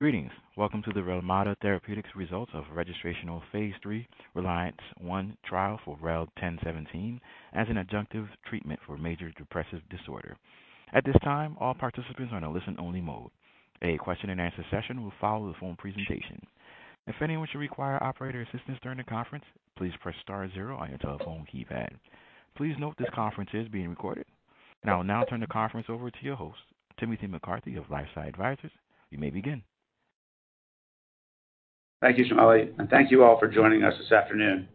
Greetings. Welcome to the Relmada Therapeutics results of registrational Phase III RELIANCE I trial for REL-1017 as an adjunctive treatment for major depressive disorder. At this time, all participants are on a listen-only mode. A question and answer session will follow the phone presentation. If anyone should require operator assistance during the conference, please press star zero on your telephone keypad. Please note this conference is being recorded. I will now turn the conference over to your host, Timothy McCarthy of LifeSci Advisors. You may begin. Thank you, Jamali. Thank you all for joining us this afternoon.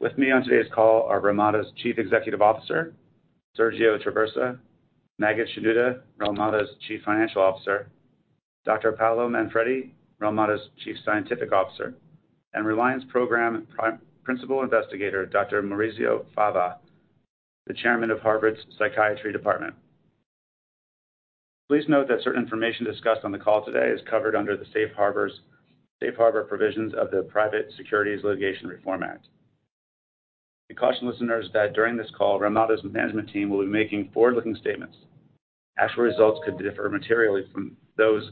With me on today's call are Relmada's Chief Executive Officer, Sergio Traversa, Maged Shenouda, Relmada's Chief Financial Officer, Dr. Paolo Manfredi, Relmada's Chief Scientific Officer, and RELIANCE program Principal Investigator, Dr. Maurizio Fava, the Chairman of Harvard's Psychiatry Department. Please note that certain information discussed on the call today is covered under the safe harbor provisions of the Private Securities Litigation Reform Act. We caution listeners that during this call, Relmada's management team will be making forward-looking statements. Actual results could differ materially from those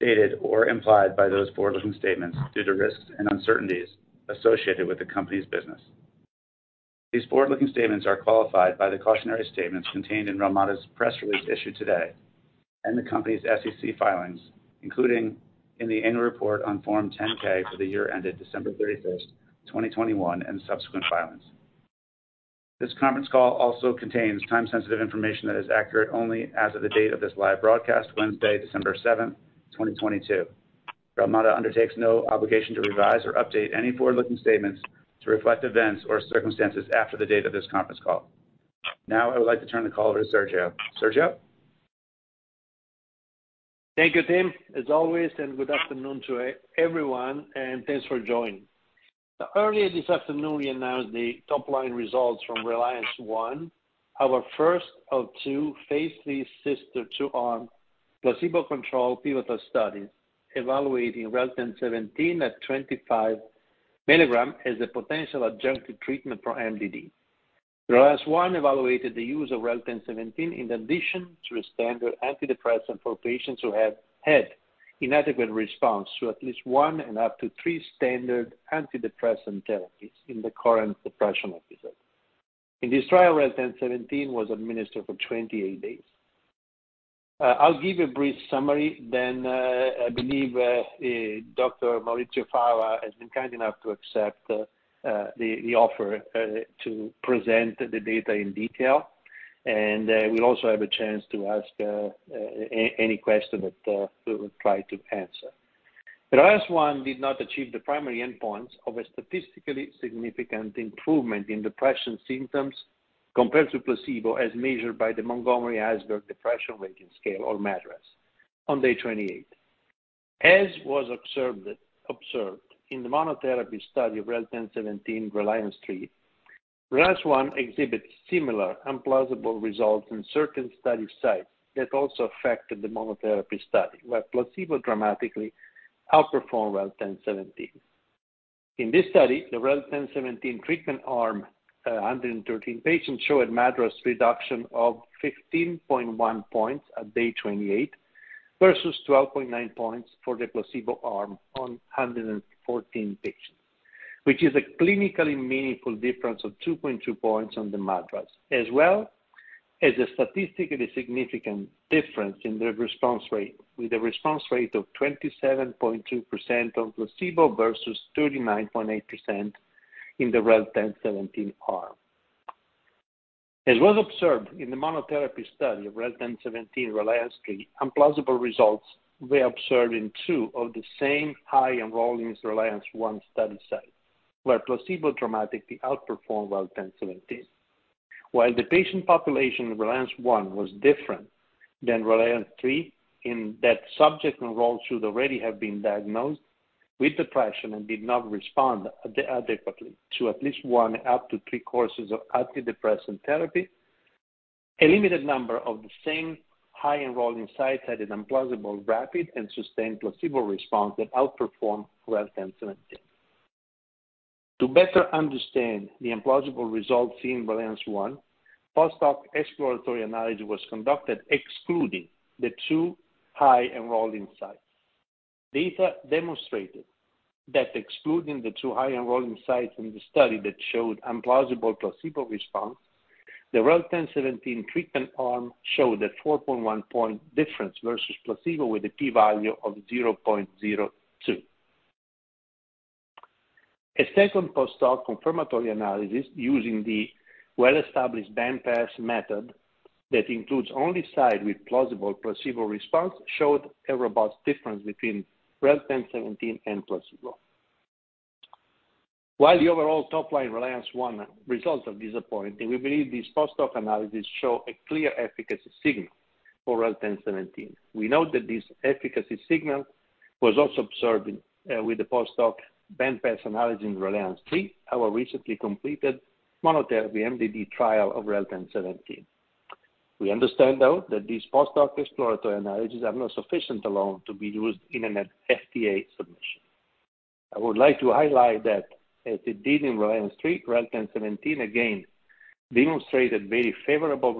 stated or implied by those forward-looking statements due to risks and uncertainties associated with the company's business. These forward-looking statements are qualified by the cautionary statements contained in Relmada's press release issued today and the company's SEC filings, including in the annual report on Form 10-K for the year ended December 31st, 2021, and subsequent filings. This conference call also contains time-sensitive information that is accurate only as of the date of this live broadcast, Wednesday, December 7th, 2022. Relmada undertakes no obligation to revise or update any forward-looking statements to reflect events or circumstances after the date of this conference call. I would like to turn the call over to Sergio. Sergio? Thank you, Tim, as always, and good afternoon to everyone, and thanks for joining. Earlier this afternoon, we announced the top-line results from RELIANCE I, our first of two Phase III sister two-arm placebo-controlled pivotal studies evaluating REL-1017 at 25 milligram as a potential adjunctive treatment for MDD. RELIANCE I evaluated the use of REL-1017 in addition to a standard antidepressant for patients who have had inadequate response to at least one and up to three standard antidepressant therapies in the current depression episode. In this trial, REL-1017 was administered for 28 days. I'll give a brief summary, then, I believe, Dr. Maurizio Fava has been kind enough to accept, the offer, to present the data in detail. We'll also have a chance to ask any question that we will try to answer. RELIANCE I did not achieve the primary endpoint of a statistically significant improvement in depression symptoms compared to placebo as measured by the Montgomery-Åsberg Depression Rating Scale, or MADRS, on day 28. As was observed in the monotherapy study of REL-1017, RELIANCE III, RELIANCE I exhibits similar implausible results in certain study sites that also affected the monotherapy study, where placebo dramatically outperformed REL-1017. In this study, the REL-1017 treatment arm, 113 patients, showed MADRS reduction of 15.1 points at day 28 versus 12.9 points for the placebo arm on 114 patients, which is a clinically meaningful difference of 2.2 points on the MADRS, as well as a statistically significant difference in the response rate, with a response rate of 27.2% on placebo versus 39.8% in the REL-1017 arm. As was observed in the monotherapy study of REL-1017, RELIANCE III, unplausible results were observed in two of the same high-enrolling RELIANCE I study sites, where placebo dramatically outperformed REL-1017. While the patient population in RELIANCE I was different than RELIANCE III in that subjects enrolled should already have been diagnosed with depression and did not respond adequately to at least one up to three courses of antidepressant therapy. A limited number of the same high-enrolling sites had an unplausible rapid and sustained placebo response that outperformed REL-1017. To better understand the unplausible results seen in RELIANCE I, post-hoc exploratory analysis was conducted excluding the two high-enrolling sites. Data demonstrated that excluding the two high-enrolling sites from the study that showed unplausible placebo response, the REL-1017 treatment arm showed a 4.1-point difference versus placebo with a p-value of 0.02. A second post-hoc confirmatory analysis using the well-established band-pass method that includes only site with plausible placebo response showed a robust difference between REL-1017 and placebo. While the overall top-line RELIANCE I results are disappointing, we believe these post-hoc analyses show a clear efficacy signal for REL-1017. We note that this efficacy signal was also observed with the post-hoc band-pass method analysis in RELIANCE III, our recently completed monotherapy MDD trial of REL-1017. We understand, though, that these post-hoc exploratory analyses are not sufficient alone to be used in an FDA submission. I would like to highlight that as it did in RELIANCE III, REL-1017 again demonstrated very favorable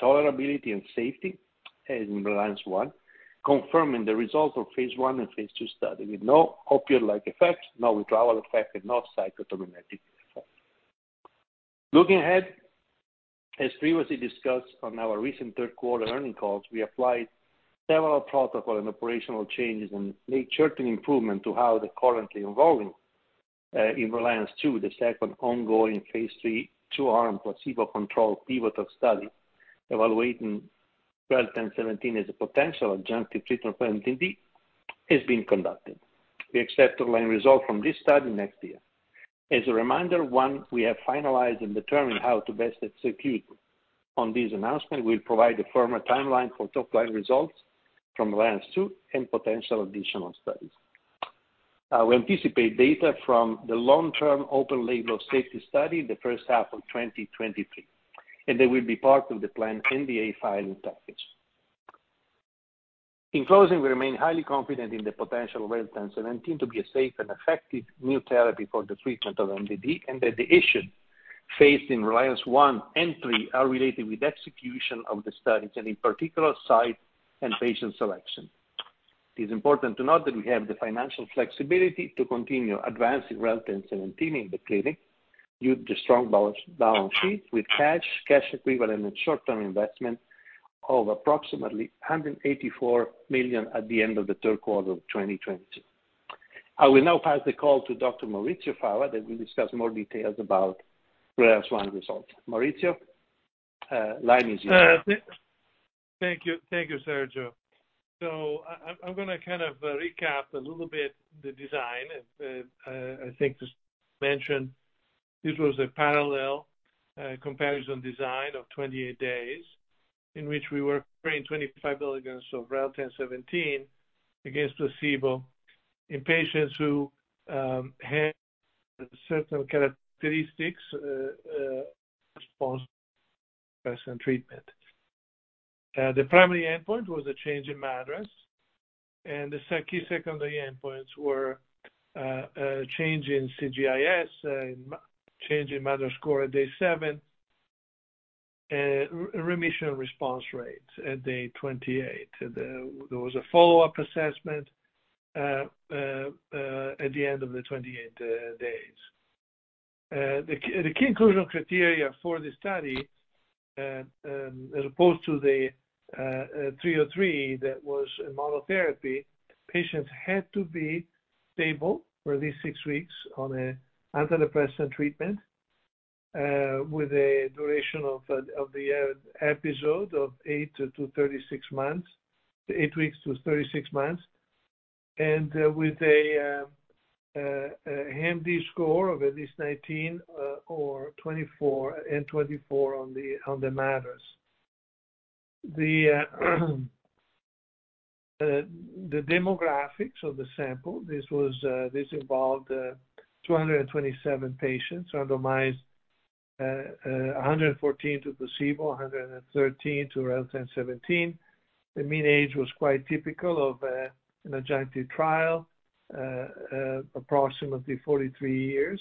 tolerability and safety as in RELIANCE I, confirming the results of Phase I and Phase II study with no opioid-like effects, no withdrawal effect, and no psychotomimetic effects. Looking ahead, as previously discussed on our recent third quarter earnings calls, we applied several protocol and operational changes and made certain improvement to how they're currently evolving, in RELIANCE II, the second ongoing Phase III two-arm placebo-controlled pivotal study evaluating REL-1017 as a potential adjunctive treatment for MDD is being conducted. We accept online result from this study next year. As a reminder, once we have finalized and determined how to best execute on this announcement, we'll provide a firmer timeline for top-line results from RELIANCE II and potential additional studies. We anticipate data from the long-term open-label of safety study the first half of 2023, and they will be part of the planned NDA filing package. In closing, we remain highly confident in the potential of REL-1017 to be a safe and effective new therapy for the treatment of MDD, and that the issue faced in RELIANCE one and three are related with execution of the studies, and in particular, site and patient selection. It is important to note that we have the financial flexibility to continue advancing REL-1017 in the clinic due to strong balance sheet with cash equivalent, and short-term investment of approximately $184 million at the end of the third quarter of 2022. I will now pass the call to Dr. Maurizio Fava, that will discuss more details about RELIANCE one results. Maurizio, line is yours. Thank you. Thank you, Sergio. I'm gonna kind of recap a little bit the design. I think to mention this was a parallel comparison design of 28 days in which we were comparing 25 mg of REL-1017 against placebo in patients who had certain characteristics post antidepressant treatment. The primary endpoint was a change in MADRS, and the secondary endpoints were change in CGI-S and change in MADRS score at day seven and remission response rates at day 28. There was a follow-up assessment at the end of the 28 days. The key inclusion criteria for the study, as opposed to the Study 303 that was a monotherapy, patients had to be stable for at least six weeks on an antidepressant treatment, with a duration of the episode of 8 months-36 months. 8 weeks to 36 months. With a HAM-D score of at least 19, or 24, and 24 on the MADRS. The demographics of the sample, this was, this involved 227 patients randomized, 114 to placebo, 113 to REL-1017. The mean age was quite typical of an adjunctive trial. Approximately 43 years.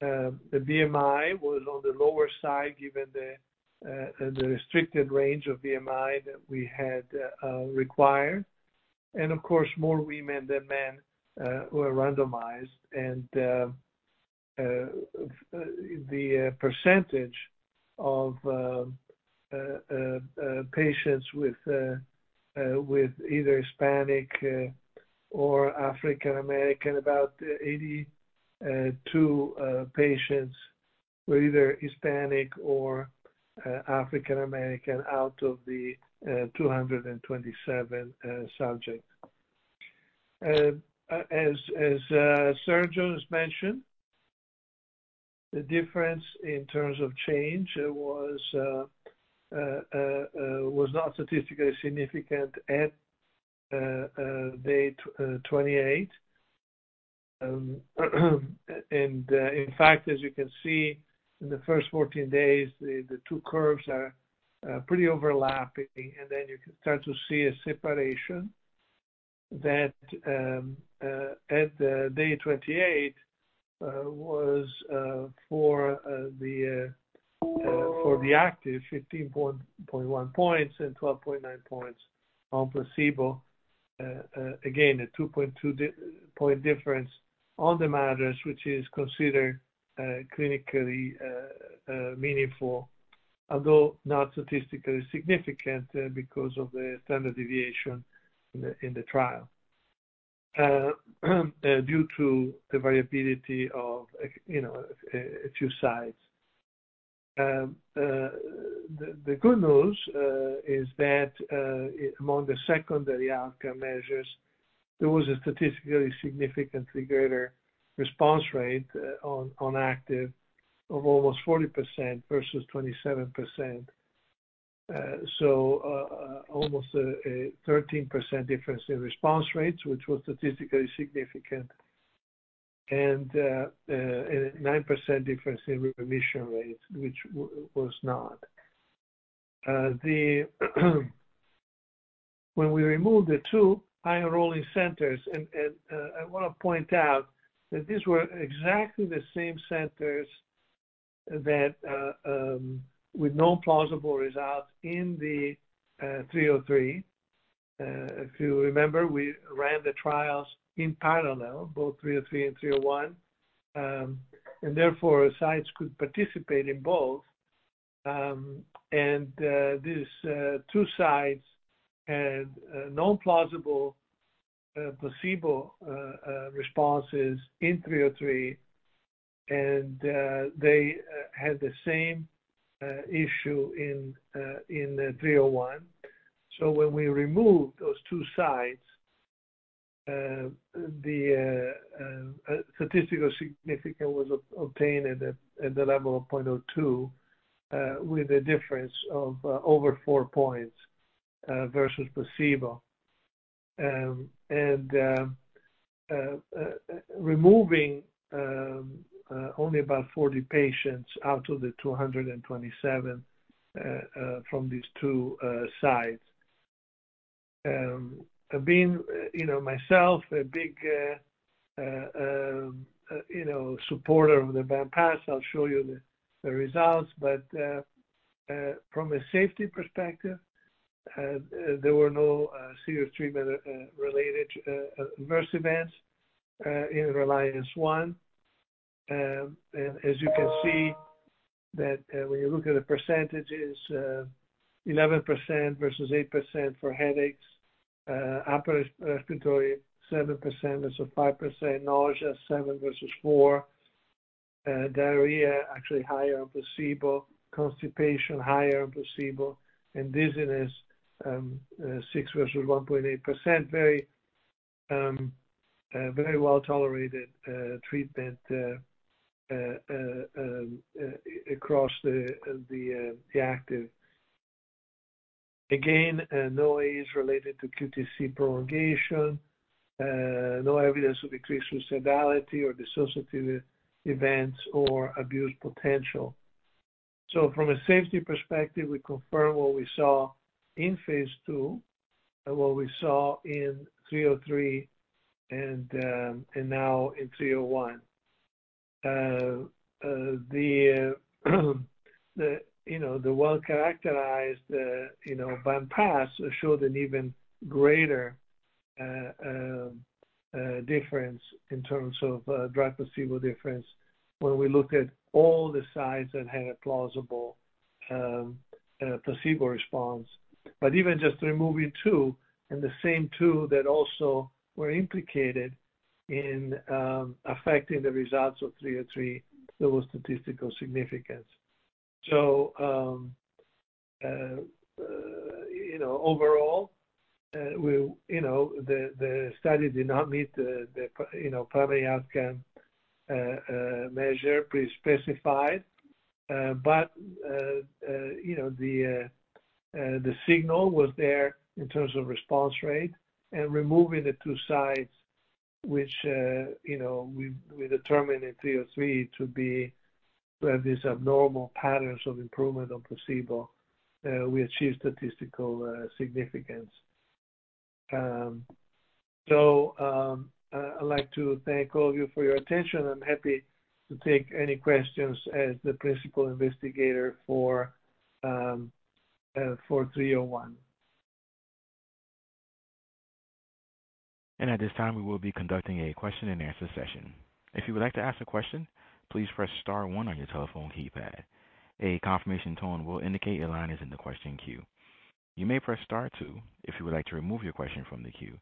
The BMI was on the lower side given the restricted range of BMI that we had required. Of course, more women than men were randomized. The percentage of patients with either Hispanic or African American, about 82 patients were either Hispanic or African American out of the 227 subjects. As Sergio has mentioned, the difference in terms of change was not statistically significant at day 28. In fact, as you can see in the first 14 days, the two curves are pretty overlapping. You can start to see a separation that at day 28 was for the active, 15.1 points and 12.9 points on placebo. Again, a 2.2 point difference on the MADRS, which is considered clinically meaningful, although not statistically significant because of the standard deviation in the trial. Due to the variability of, you know, a few sites. The good news is that among the secondary outcome measures, there was a statistically significantly greater response rate on active of almost 40% versus 27%. Almost a 13% difference in response rates, which was statistically significant and a 9% difference in remission rates which was not. When we removed the two high enrolling centers, I wanna point out that these were exactly the same centers that with no plausible results in the 303. If you remember, we ran the trials in parallel, both 303 and 301. Therefore, sites could participate in both. These two sites had no plausible placebo responses in 303, they had the same issue in the 301. When we removed those two sites, the statistical significance was obtained at the level of 0.02, with a difference of over four points versus placebo. Removing only about 40 patients out of the 227 from these two sites. Being, you know, myself a big, you know, supporter of the band-pass method, I'll show you the results. From a safety perspective, there were no serious treatment related adverse events in RELIANCE I. As you can see that, when you look at the percentages, 11% versus 8% for headaches, upper respiratory 7% versus 5%, nausea 7% versus 4%, diarrhea actually higher on placebo, constipation higher on placebo, and dizziness, 6% versus 1.8%. Very well-tolerated treatment across the active. Again, no AEs related to QTc prolongation, no evidence of increased suicidality or dissociative events or abuse potential. From a safety perspective, we confirm what we saw in Phase II and what we saw in 303 and now in 301. Uh, uh, the, uh, the, you know, the well-characterized, uh, you know, band-pass showed an even greater, uh, um, uh, difference in terms of, uh, drug placebo difference when we looked at all the sites that had a plausible, um, uh, placebo response. But even just removing two and the same two that also were implicated in, um, affecting the results of three oh three, there was statistical significance. So, um, uh, uh, you know, overall, uh, we, you know, the, the study did not meet the, the p- you know, primary outcome, uh, uh, measure pre-specified. Uh, but, uh, uh, you know, the, uh, uh, the signal was there in terms of response rate. And removing the two sites which, uh, you know, we, we determined in three oh three to be, uh, these abnormal patterns of improvement on placebo, uh, we achieved statistical, uh, significance. I'd like to thank all of you for your attention. I'm happy to take any questions as the principal investigator for 301. At this time, we will be conducting a question and answer session. If you would like to ask a question, please press star one on your telephone keypad. A confirmation tone will indicate your line is in the question queue. You may press star two if you would like to remove your question from the queue.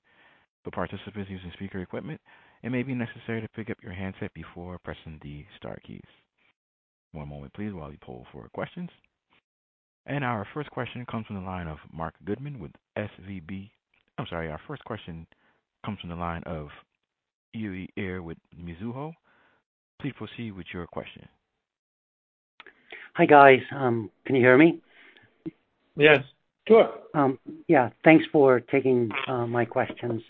For participants using speaker equipment, it may be necessary to pick up your handset before pressing the star keys. One moment please while we poll for questions. Our first question comes from the line of Marc Goodman with SVB. I'm sorry. Our first question comes from the line of Uy Ear with Mizuho. Please proceed with your question. Hi, guys. Can you hear me? Yes. Sure. Thanks for taking my questions.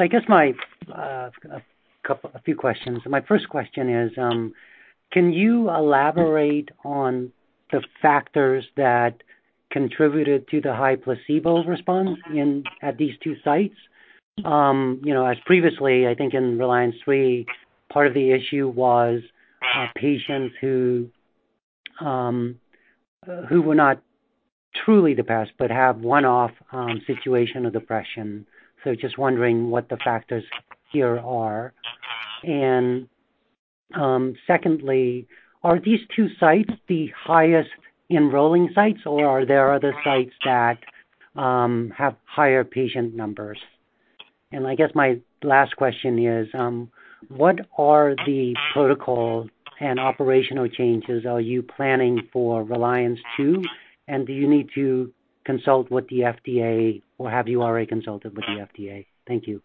I guess my a few questions. My first question is, can you elaborate on the factors that contributed to the high placebo response at these two sites? You know, as previously, I think in RELIANCE III, part of the issue was patients who were not truly depressed but have one-off situation of depression. Just wondering what the factors here are. Secondly, are these two sites the highest enrolling sites or are there other sites that have higher patient numbers? I guess my last question is, what are the protocol and operational changes are you planning for RELIANCE II? Do you need to consult with the FDA or have you already consulted with the FDA? Thank you.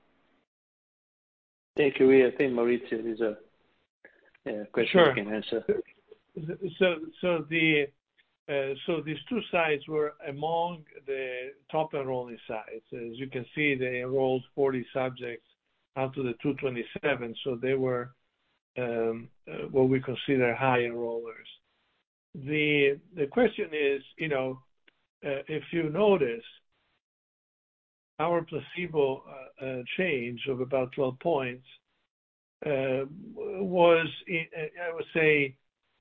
Thank you. I think Maurizio has a question. Sure. He can answer. These two sites were among the top enrolling sites. As you can see, they enrolled 40 subjects out of the 227. They were, what we consider high enrollers. The question is, you know, if you notice, our placebo change of about 12 points, I would say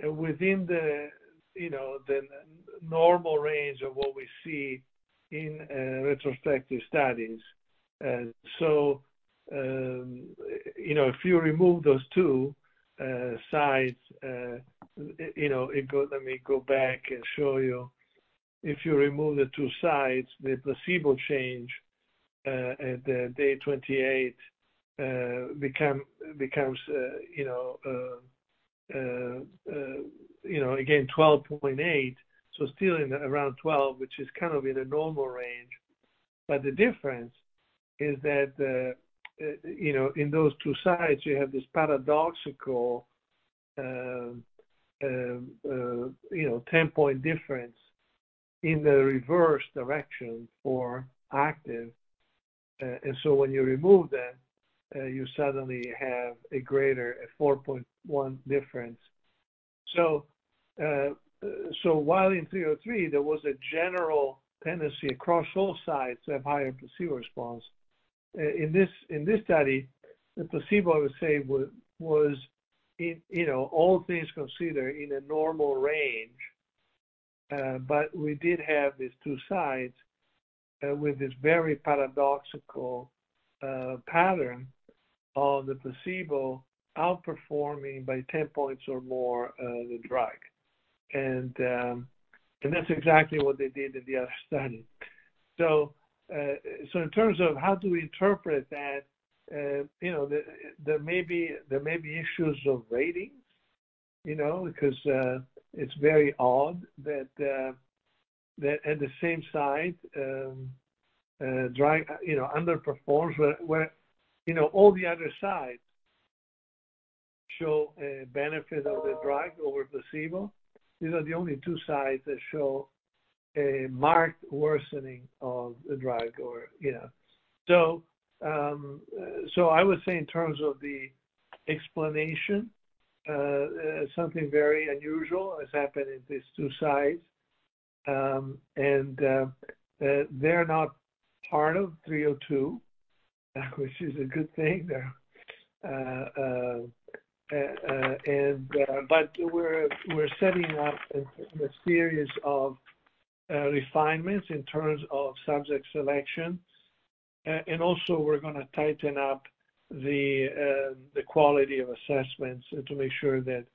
within the, you know, the normal range of what we see in retrospective studies. You know, if you remove those two sites, you know, let me go back and show you. If you remove the two sites, the placebo change at day 28 becomes, you know, again 12.8, so still in around 12, which is kind of in a normal range. The difference is that, you know, in those two sites you have this paradoxical, you know, 10-point difference in the reverse direction for active. When you remove that, you suddenly have a greater, a 4.1 difference. While in Study 303 there was a general tendency across all sites to have higher placebo response, in this, in this study, the placebo I would say was in, you know, all things considered, in a normal range. We did have these two sites, with this very paradoxical, pattern of the placebo outperforming by 10 points or more, the drug. That's exactly what they did in the other study. In terms of how do we interpret that, you know, there may be issues of ratings, you know, because it's very odd that at the same site, drug, you know, underperforms where, you know, all the other sites show a benefit of the drug over placebo. These are the only two sites that show a marked worsening of the drug or, you know. I would say in terms of the explanation, something very unusual has happened in these two sites. They're not part of 302, which is a good thing. We're setting up a series of refinements in terms of subject selection. Also we're gonna tighten up the quality of assessments to make sure that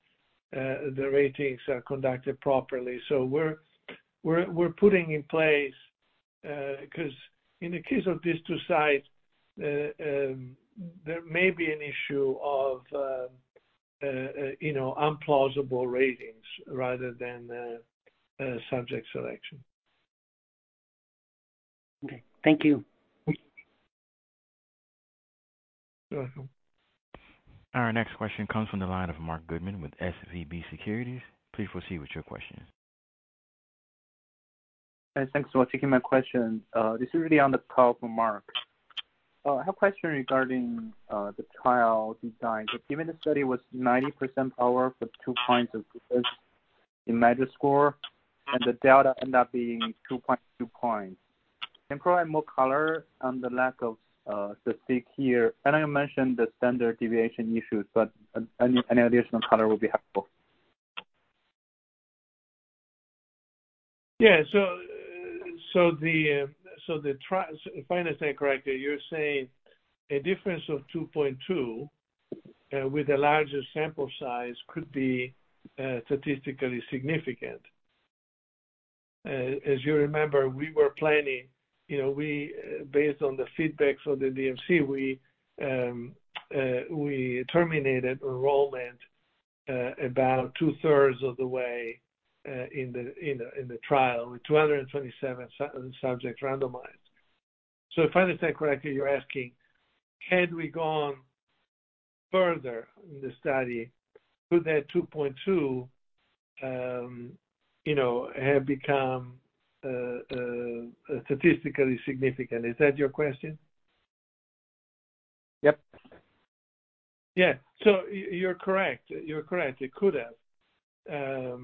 the ratings are conducted properly. We're putting in place 'cause in the case of these two sites, there may be an issue of, you know, implausible ratings rather than subject selection. Okay. Thank you. You're welcome. Our next question comes from the line of Marc Goodman with SVB Securities. Please proceed with your question. Yes, thanks for taking my question. This is really on the call for Marc. I have a question regarding the trial design. Given the study was 90% power for two points of difference in MADRS score, and the delta end up being 2.2 points. Can you provide more color on the lack of statistic here? I know you mentioned the standard deviation issues, but any additional color would be helpful. If I understand correctly, you're saying a difference of 2.2 with a larger sample size could be statistically significant. As you remember, we were planning, you know, we, based on the feedbacks of the DMC, we terminated enrollment about two-thirds of the way in the trial, with 227 sub-subjects randomized. If I understand correctly, you're asking, had we gone further in the study, could that 2.2, you know, have become statistically significant? Is that your question? Yep. You're correct. You're correct. It could have.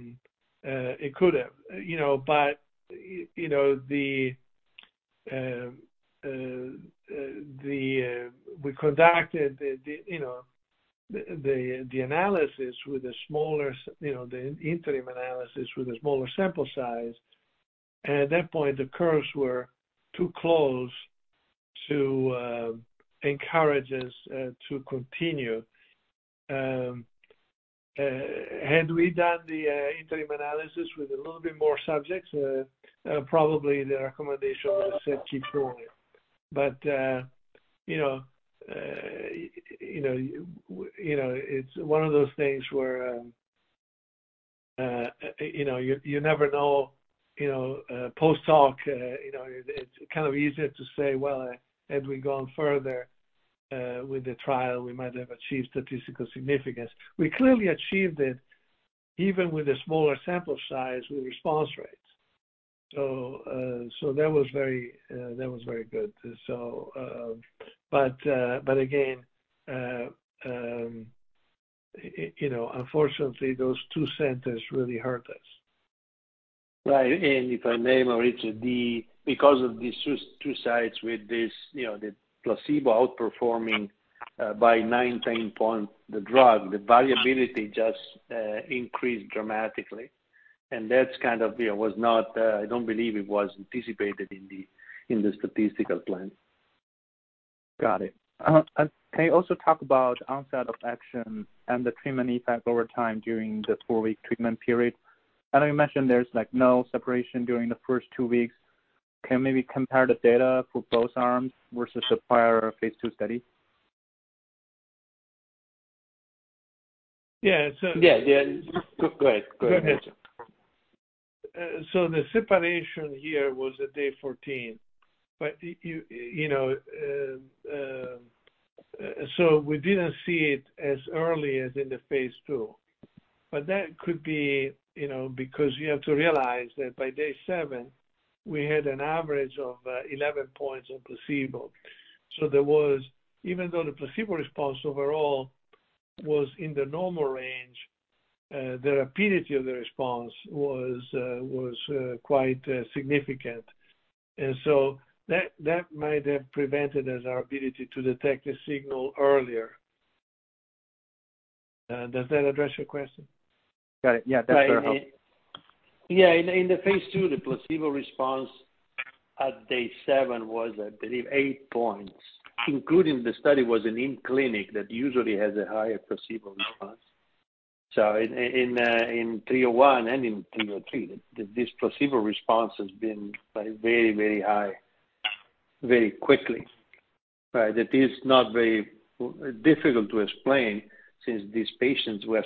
It could have. You know, you know, we conducted the, you know, the analysis with a smaller, you know, the interim analysis with a smaller sample size. At that point, the curves were too close to encourage us to continue. Had we done the interim analysis with a little bit more subjects, probably the recommendation would have said keep going. You know, you know, you know, it's one of those things where, you know, you never know, you know, post-hoc, you know, it's kind of easier to say, "Well, had we gone further, with the trial, we might have achieved statistical significance." We clearly achieved it even with a smaller sample size with response rates. That was very, that was very good. Again, you know, unfortunately those two centers really hurt us. Right. If I may, Maurizio, because of these two sites with this, you know, the placebo outperforming by nine, 10 points the drug, the variability just increased dramatically. That's kind of, you know, was not, I don't believe it was anticipated in the statistical plan. Got it. Can you also talk about onset of action and the treatment effect over time during the four-week treatment period? I know you mentioned there's like no separation during the first two weeks. Can you maybe compare the data for both arms versus the prior Phase II study? Yeah. Yeah. Yeah. Go ahead. Go ahead. The separation here was at day 14. You know, we didn't see it as early as in the Phase II. That could be, you know, because you have to realize that by day seven we had an average of 11 points on placebo. Even though the placebo response overall was in the normal range, the rapidity of the response was quite significant. That, that might have prevented us our ability to detect a signal earlier. Does that address your question? Got it. Yeah. That's very helpful. Yeah. In the Phase II, the placebo response at day seven was, I believe, eight points, including the study was an in-clinic that usually has a higher placebo response. In Study 301 and in Study 303, this placebo response has been like very high very quickly. Right. It is not very difficult to explain since these patients were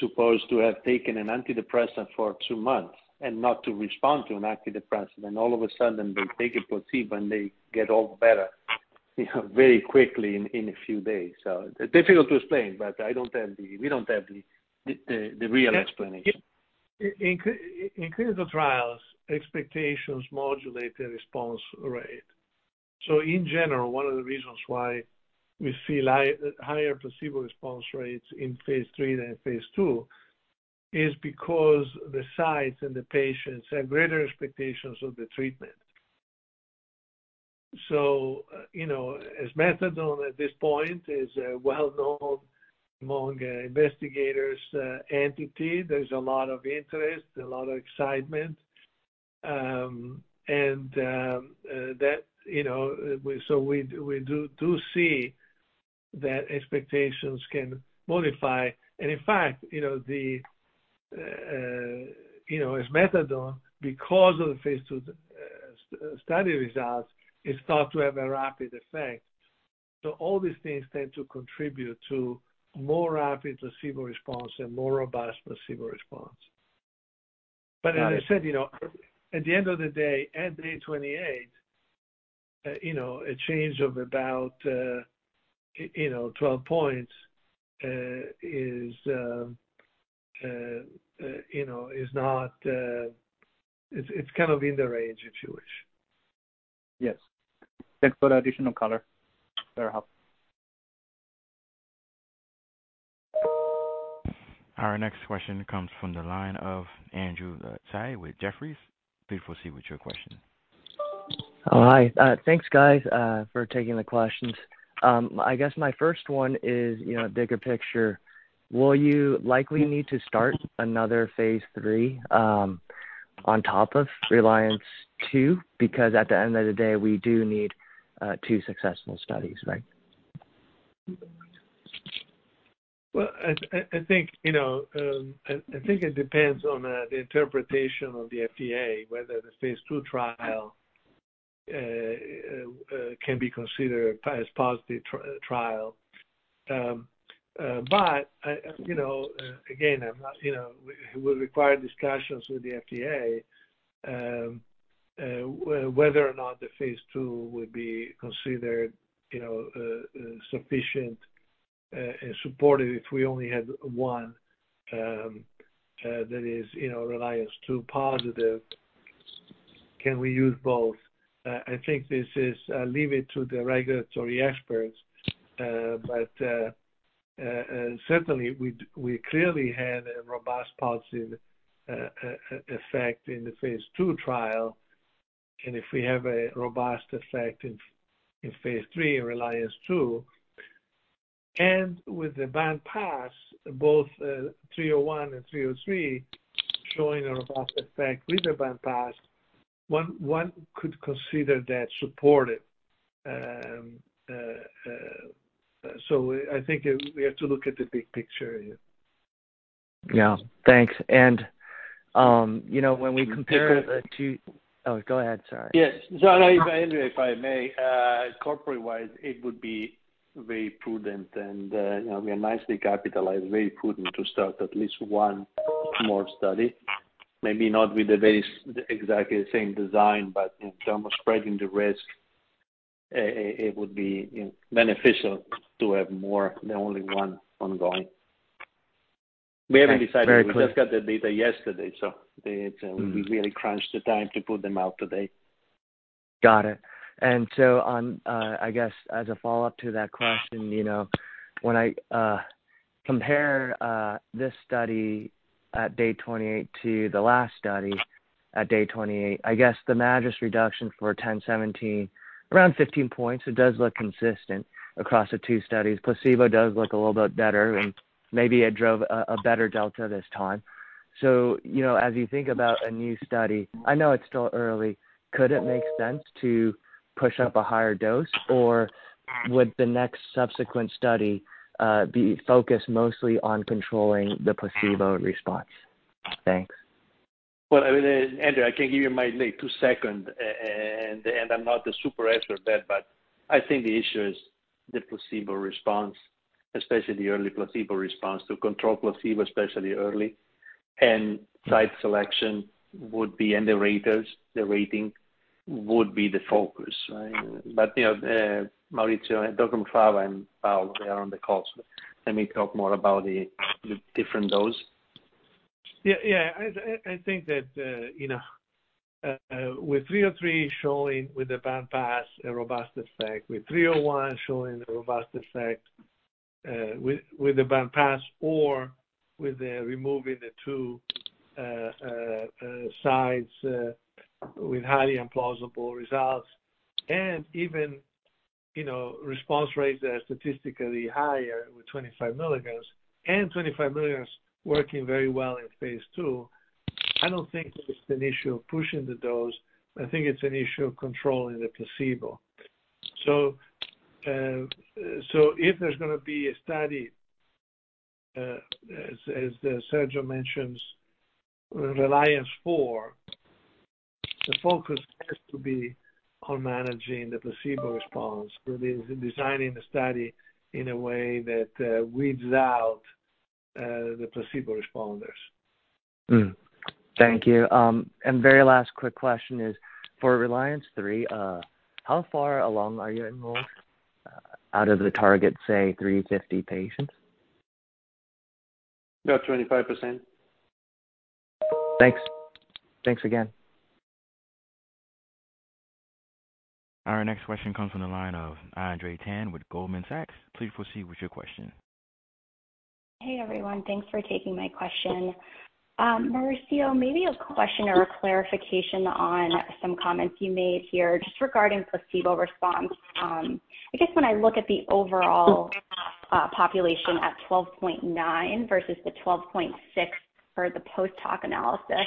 supposed to have taken an antidepressant for two months and not to respond to an antidepressant. All of a sudden they take a placebo, and they get all better, you know, very quickly in a few days. Difficult to explain, but I don't have the we don't have the real explanation. In clinical trials, expectations modulate the response rate. In general, one of the reasons why we see higher placebo response rates in Phase III than in Phase II is because the sites and the patients have greater expectations of the treatment. You know, as methadone at this point is a well-known among investigators, entity. There's a lot of interest, a lot of excitement. That, you know, we do see that expectations can modify. In fact, you know, the, you know, as methadone because of the Phase II study results, it starts to have a rapid effect. All these things tend to contribute to more rapid placebo response and more robust placebo response. Got it. As I said, you know, at the end of the day, at day 28, you know, a change of about, you know, 12 points, is, you know, It's kind of in the range, if you wish. Yes. Thanks for the additional color. Very helpful. Our next question comes from the line of Andrew Tsai with Jefferies. Please proceed with your question. Hi. Thanks, guys, for taking the questions. I guess my first one is, you know, bigger picture. Will you likely need to start another Phase III on top of RELIANCE II? At the end of the day, we do need two successful studies, right? Well, I think, you know, I think it depends on the interpretation of the FDA, whether the Phase II trial can be considered as positive trial. You know, again, I'm not, you know, it would require discussions with the FDA, whether or not the Phase II would be considered, you know, sufficient and supported if we only had one, that is, you know, RELIANCE II positive. Can we use both? I think this is leave it to the regulatory experts. Certainly we clearly had a robust positive effect in the Phase II trial. If we have a robust effect in Phase III, RELIANCE II, and with the band-pass, both 301 and 303 showing a robust effect with the band-pass, one could consider that supportive. I think we have to look at the big picture here. Yeah. Thanks. You know, when we compare the two. Oh, go ahead, sorry. Yes. anyway, if I may, corporate-wise, it would be very prudent and, you know, we are nicely capitalized, very prudent to start at least one more study. Maybe not with the very exactly the same design, but in terms of spreading the risk. It would be, you, beneficial to have more than only one ongoing. Very clear. We haven't decided. We just got the data yesterday, it. Mm-hmm. We really crunched the time to put them out today. Got it. I guess as a follow-up to that question, you know, when I compare this study at day 28 to the last study at day 28, I guess the MADRS reduction for 1017 around 15 points, it does look consistent across the two studies. Placebo does look a little bit better, and maybe it drove a better delta this time. You know, as you think about a new study, I know it's still early, could it make sense to push up a higher dose, or would the next subsequent study be focused mostly on controlling the placebo response? Thanks. Well, I mean, Andrew, I can give you my lay two second and I'm not the super expert of that, but I think the issue is the placebo response, especially the early placebo response to control placebo, especially early. Site selection would be in the raters. The rating would be the focus. You know, Maurizio, Dr. Fava and Paolo, they are on the call, so let me talk more about the different dose. Yeah. I think that, you know, with Study 303 showing with the band-pass a robust effect, with Study 301 showing the robust effect, with the band-pass or with the removing the two sides, with highly implausible results and even, you know, response rates are statistically higher with 25 mg and 25 mg working very well in Phase II, I don't think it's an issue of pushing the dose. I think it's an issue of controlling the placebo. If there's gonna be a study, as Sergio mentions, in RELIANCE IV, the focus has to be on managing the placebo response, really designing the study in a way that weeds out the placebo responders. Thank you. very last quick question is for RELIANCE III, how far along are you enrolled out of the target, say, 350 patients? About 25%. Thanks. Thanks again. Our next question comes from the line of Andrea Tan with Goldman Sachs. Please proceed with your question. Hey, everyone. Thanks for taking my question. Maurizio, maybe a question or a clarification on some comments you made here just regarding placebo response. I guess when I look at the overall population at 12.9 versus the 12.6 for the post-hoc analysis,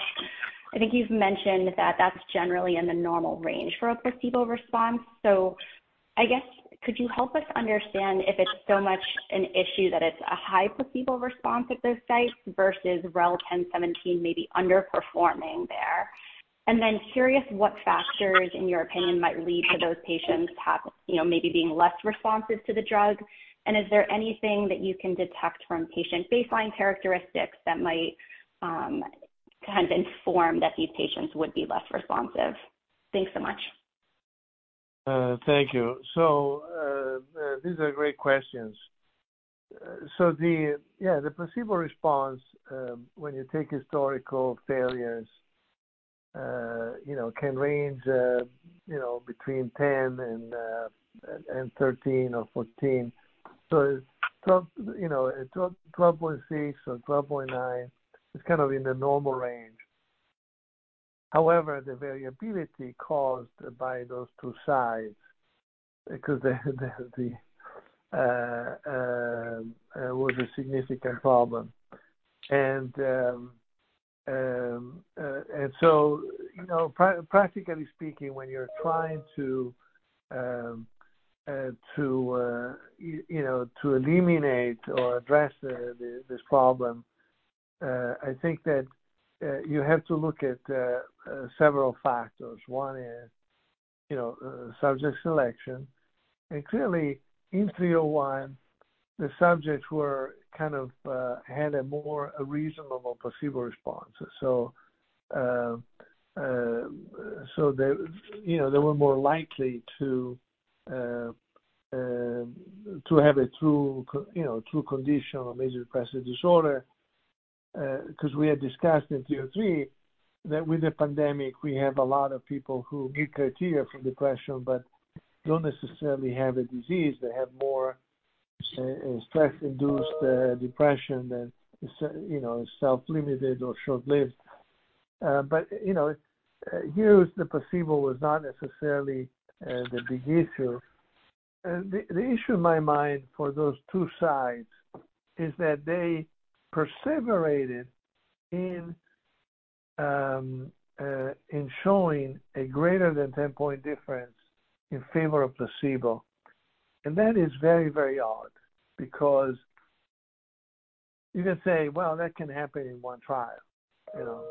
I think you've mentioned that that's generally in the normal range for a placebo response. I guess could you help us understand if it's so much an issue that it's a high placebo response at those sites versus REL-1017 maybe underperforming there? Curious what factors, in your opinion, might lead to those patients have, you know, maybe being less responsive to the drug. Is there anything that you can detect from patient baseline characteristics that might kind of inform that these patients would be less responsive? Thanks so much. Thank you. These are great questions. Yeah, the placebo response, when you take historical failures, you know, can range, you know, between 10 and 13 or 14. It's you know, it's 12.6 or 12.9 is kind of in the normal range. However, the variability caused by those two sites, because they had the, was a significant problem. You know, practically speaking, when you're trying to eliminate or address this problem, I think that you have to look at several factors. One is, you know, subject selection. Clearly in Study 301, the subjects were kind of had a more reasonable placebo response. They, you know, so they were more likely to have true conditional major depressive disorder. Because we had discussed in Study 303 that with the pandemic we have a lot of people who meet criteria for depression but don't necessarily have a disease. They have more stress-induced depression than, you know, self-limited or short-lived. You know, here the placebo was not necessarily the big issue. The issue in my mind for those two sites is that they perseverated in showing a greater than 10-point difference in favor of placebo. That is very, very odd because you can say, "Well, that can happen in one trial," you know.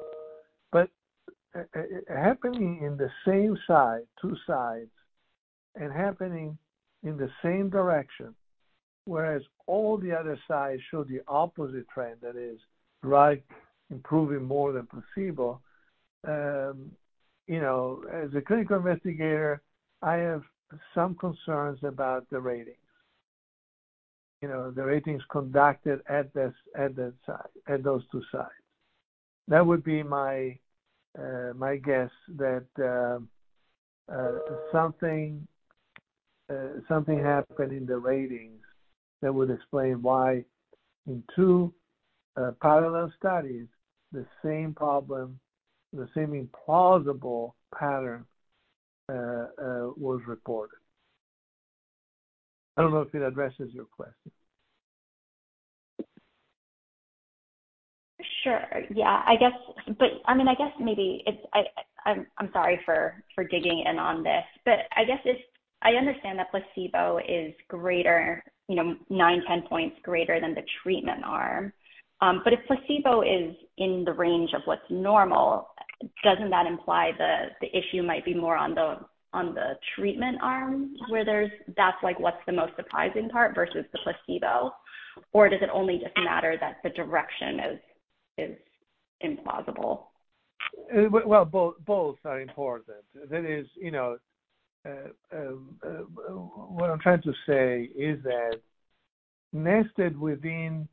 Happening in the same site, two sites, and happening in the same direction. Whereas all the other sites show the opposite trend, that is drug improving more than placebo. You know, as a clinical investigator, I have some concerns about the ratings. You know, the ratings conducted at that site, at those two sites. That would be my guess that something happened in the ratings that would explain why in two parallel studies, the same problem, the same implausible pattern was reported. I don't know if it addresses your question. Sure. Yeah, I guess. I mean, I guess maybe it's. I'm sorry for digging in on this, but I guess it's. I understand that placebo is greater, you know, nine, 10 points greater than the treatment arm. If placebo is in the range of what's normal, doesn't that imply the issue might be more on the, on the treatment arm where there's. That's like, what's the most surprising part versus the placebo? Does it only just matter that the direction is implausible? Well, both are important. That is, you know, what I'm trying to say is that nested within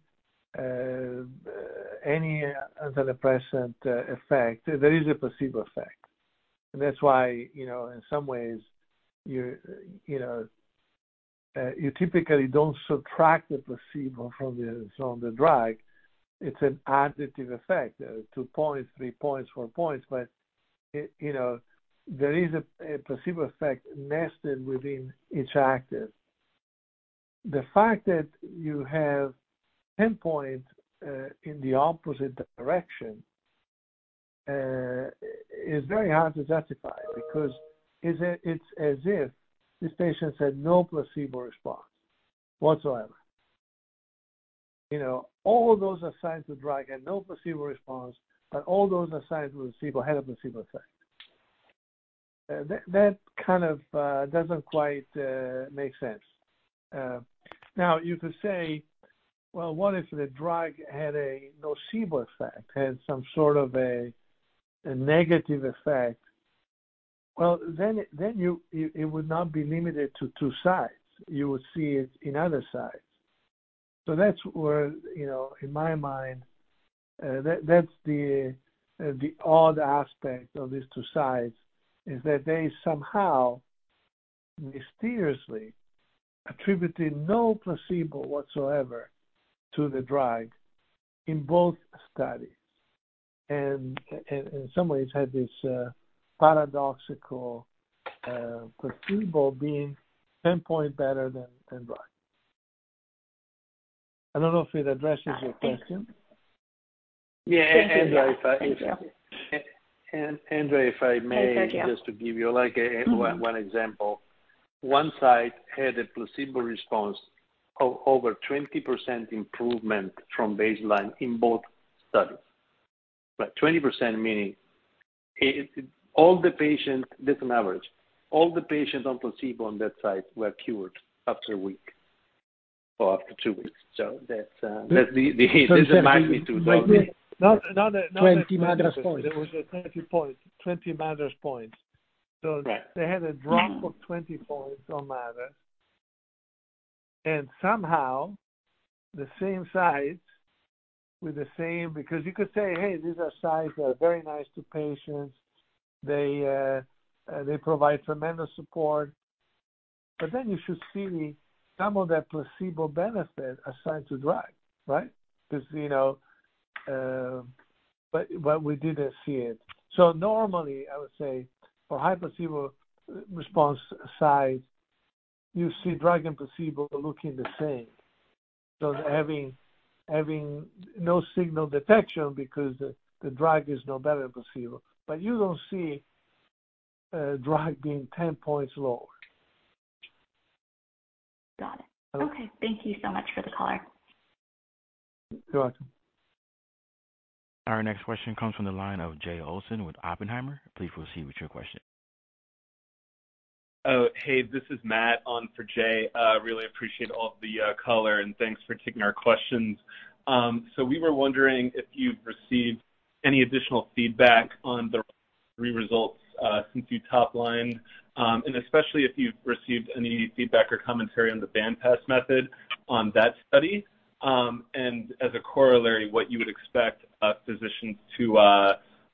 any antidepressant effect, there is a placebo effect. That's why, you know, in some ways you're, you know, you typically don't subtract the placebo from the drug. It's an additive effect, two points, three points, four points. You know, there is a placebo effect nested within each active. The fact that you have 10 points in the opposite direction is very hard to justify because it's as if these patients had no placebo response whatsoever. You know, all those assigned to drug had no placebo response, but all those assigned to placebo had a placebo effect. That, that kind of doesn't quite make sense. Now you could say, well, what if the drug had a nocebo effect, had some sort of a negative effect? Well, then it would not be limited to two sites. You would see it in other sites. That's where, you know, in my mind, that's the odd aspect of these two sites is that they somehow mysteriously attributed no placebo whatsoever to the drug in both studies and in some ways had this paradoxical placebo being 10 points better than drug. I don't know if it addresses your question. No. Thank you. Yeah. Andrea, if I. Thank you. Andrea, if I may. Go ahead, Sergio. Just to give you like. Mm-hmm. One example. One site had a placebo response over 20% improvement from baseline in both studies. 20% meaning All the patients, that's an average, all the patients on placebo on that site were cured after one week or after two weeks. That's the magnitude of the. 20 MADRS points. There was a 20 MADRS points. Right. They had a drop of 20 points on MADRS. Somehow the same sites with the same. You could say, "Hey, these are sites that are very nice to patients. They provide tremendous support." Then you should see the some of that placebo benefit assigned to drive, right? You know. But we didn't see it. Normally I would say for high placebo response sites, you see drug and placebo looking the same. Having no signal detection because the drug is no better than placebo, but you don't see a drug being 10 points lower. Got it. Okay. Okay. Thank you so much for the color. You're welcome. Our next question comes from the line of Jay Olson with Oppenheimer. Please proceed with your question. Oh, hey, this is Matt on for Jay. really appreciate all the color, and thanks for taking our questions. We were wondering if you've received any additional feedback on the RELIANCE III results since you top-lined, and especially if you've received any feedback or commentary on the band-pass method on that study? As a corollary, what you would expect physicians to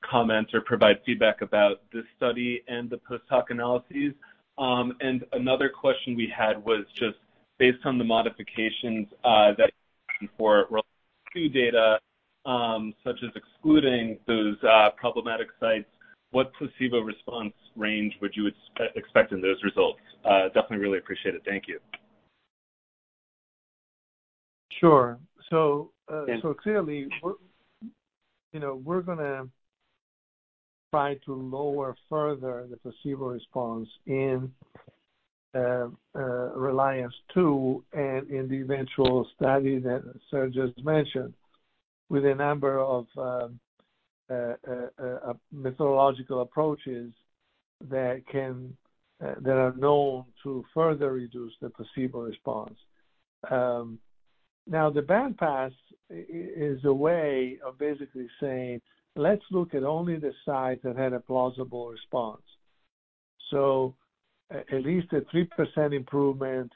comment or provide feedback about this study and the post-hoc analyses? Another question we had was just based on the modifications that for RELIANCE II data, such as excluding those problematic sites, what placebo response range would you expect in those results? definitely really appreciate it. Thank you. Sure. Clearly we're, you know, we're gonna try to lower further the placebo response in RELIANCE II and in the eventual study that Sergio's mentioned. With a number of methodological approaches that can that are known to further reduce the placebo response. Now the band-pass is a way of basically saying, "Let's look at only the sites that had a plausible response." At least a 3% improvement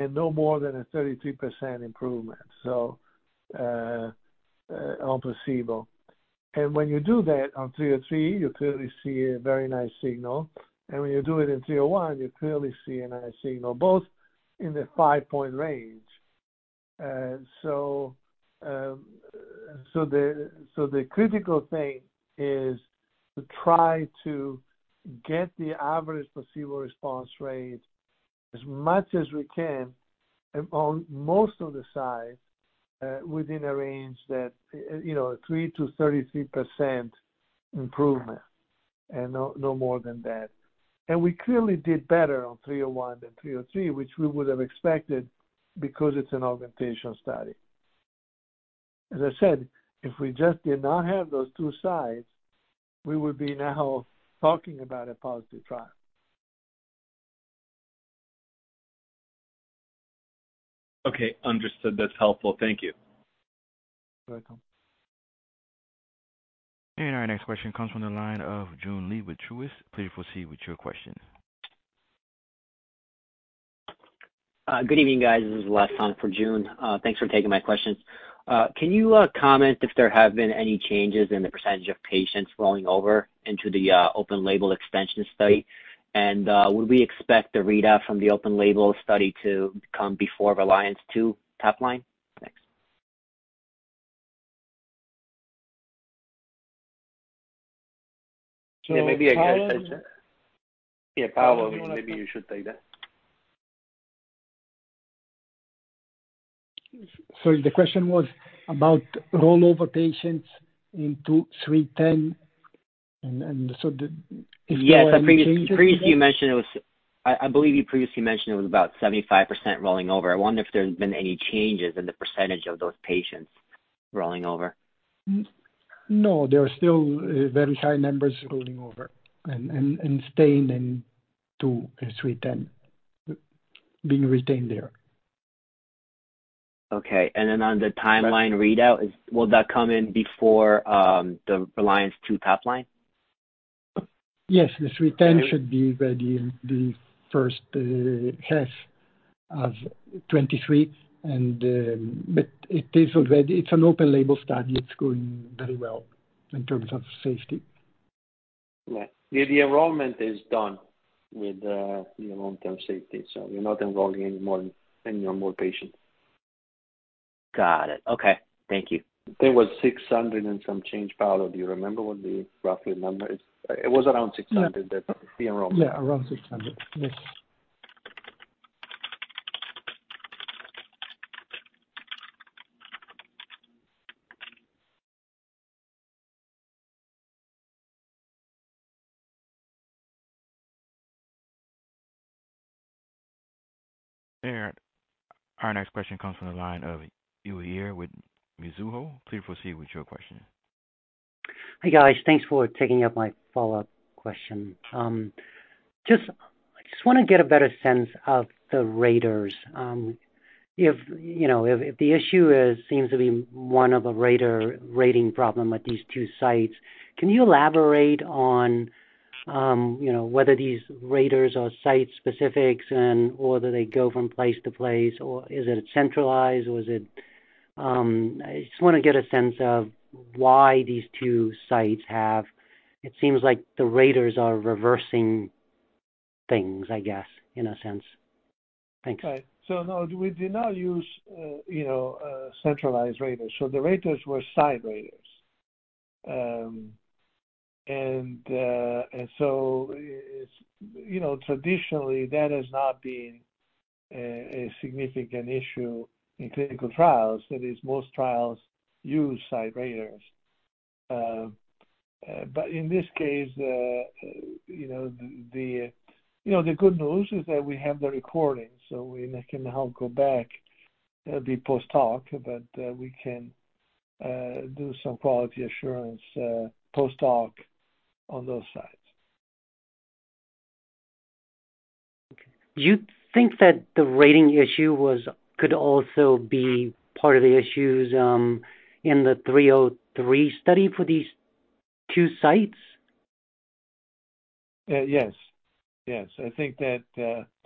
and no more than a 33% improvement on placebo. When you do that on Study 303, you clearly see a very nice signal. When you do it in Study 301, you clearly see a nice signal, both in the five-point range. The critical thing is to try to get the average placebo response rate as much as we can and on most of the sites, within a range that, you know, 3%-33% improvement and no more than that. We clearly did better on 301 than 303, which we would have expected because it's an augmentation study. I said, if we just did not have those two sites, we would be now talking about a positive trial. Okay. Understood. That's helpful. Thank you. You're welcome. Our next question comes from the line of Joon Lee with Truist. Please proceed with your question. Good evening, guys. This is the last time for Joon. Thanks for taking my questions. Can you comment if there have been any changes in the percentage of patients rolling over into the open label extension study? Would we expect the readout from the open label study to come before RELIANCE II top line? Thanks. So. Yeah, maybe I can take that. Yeah, Paolo, maybe you should take that. Sorry, the question was about rollover patients in two Study 310 and so. Yes. I previously you mentioned I believe you previously mentioned it was about 75% rolling over. I wonder if there's been any changes in the percentage of those patients rolling over. No, there are still, very high numbers rolling over and staying in two and Study 310, being retained there. Okay. On the timeline readout, will that come in before the RELIANCE II top line? Yes. The Study 310 should be ready in the first half of 2023. It's an open label study. It's going very well in terms of safety. Yeah. The enrollment is done with the long-term safety. We're not enrolling any more patients. Got it. Okay. Thank you. There was 600 and some change, Paolo. Do you remember what the roughly number is? It was around 600 that the enrollment. Yeah, around 600. Yes. Our next question comes from the line of Uy Ear with Mizuho. Please proceed with your question. Hi, guys. Thanks for taking up my follow-up question. I just wanna get a better sense of the raters. If, you know, if the issue seems to be one of a rater-rating problem with these two sites, can you elaborate on, you know, whether these raters are site specifics and or do they go from place to place, or is it centralized or is it? I just wanna get a sense of why these two sites have, it seems like the raters are reversing things, I guess, in a sense. Thanks. Okay. No, we did not use, you know, centralized raters. The raters were site raters. It's, you know, traditionally that has not been a significant issue in clinical trials. That is, most trials use site raters. In this case, you know, the good news is that we have the recording. We can now go back, the post-hoc, but we can do some quality assurance post-hoc on those sites. Do you think that the rating issue could also be part of the issues, in the Study 303 for these two sites? Yes. Yes. I think that,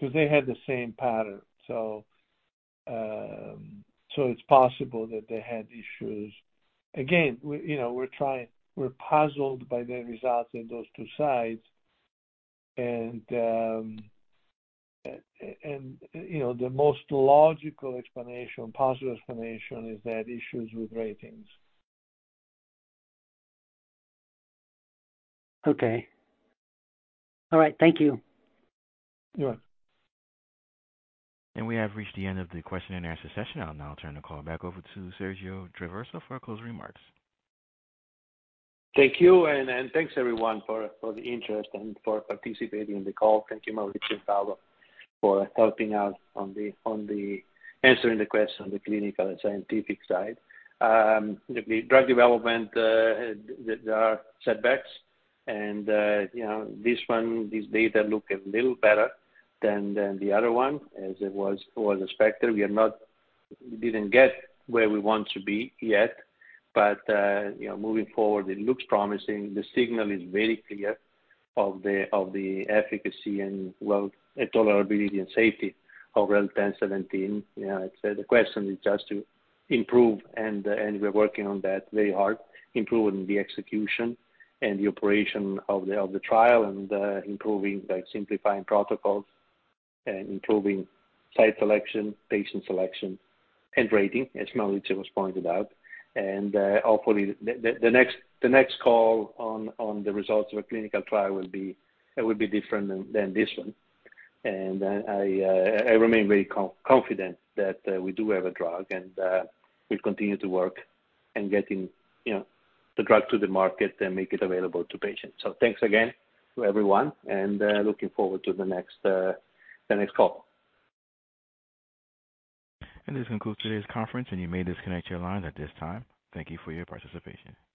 'cause they had the same pattern. It's possible that they had issues. Again, we, you know, we're trying, we're puzzled by the results in those two sites. You know, the most logical explanation, puzzle explanation is they had issues with ratings. Okay. All right. Thank you. You're welcome. We have reached the end of the question and answer session. I'll now turn the call back over to Sergio Traversa for closing remarks. Thank you. Thanks everyone for the interest and for participating in the call. Thank you Maurizio and Paolo for helping out on answering the question on the clinical and scientific side. The drug development, there are setbacks and, you know, this one, these data look a little better than the other one as it was expected. We didn't get where we want to be yet, but, you know, moving forward it looks promising. The signal is very clear of the efficacy and well tolerability and safety of REL-1017. You know, the question is just to improve and we're working on that very hard, improving the execution and the operation of the trial, and improving by simplifying protocols and improving site selection, patient selection and rating, as Maurizio has pointed out. Hopefully the next call on the results of a clinical trial will be different than this one. I remain very confident that we do have a drug and we'll continue to work in getting, you know, the drug to the market and make it available to patients. Thanks again to everyone, and looking forward to the next call. This concludes today's conference, and you may disconnect your lines at this time. Thank you for your participation.